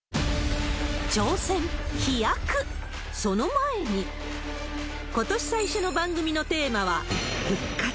挑戦、飛躍、その前に、ことし最初の番組のテーマは復活。